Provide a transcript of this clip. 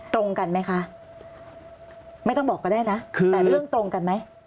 ตรงกันไหมคะไม่ต้องบอกก็ได้นะแต่เรื่องตรงกันไหม